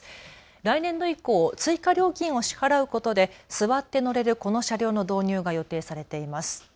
来年度以降、追加料金を支払うことで座って乗れるこの車両の導入が予定されています。